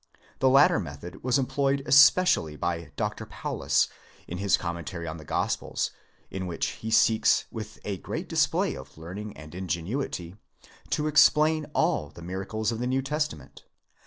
The latter method was employed especially by Dr. Paulus in his commentary on the Gospels, in which he seeks, with a great display of learning and ingenuity, to explain all the miracles of the New Testament.